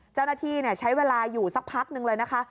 เจ้าหน้าที่ใช้เวลาอยู่สักพักนึงเลยนะคะ